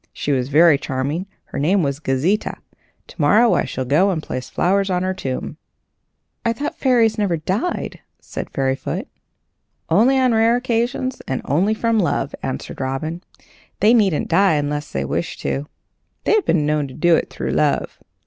She was very charming. Her name was Gauzita. To morrow I shall go and place flowers on her tomb." "I thought fairies never died," said Fairyfoot. "Only on rare occasions, and only from love," answered Robin. "They needn't die unless they wish to. They have been known to do it through love.